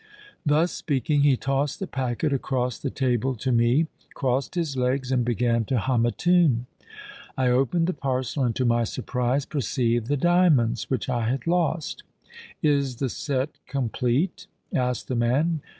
_'—Thus speaking, he tossed the packet across the table to me, crossed his legs, and began to hum a tune. I opened the parcel; and to my surprise perceived the diamonds which I had lost.—'Is the set complete?' asked the man.